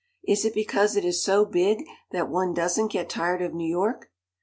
Is it because it is so big that one doesn't get tired of New York?